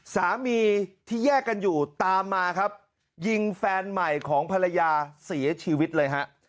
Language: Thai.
สามีที่แยกกันอยู่ตามมาครับยิงแฟนใหม่ของภรรยาเสียชีวิตเลยฮะ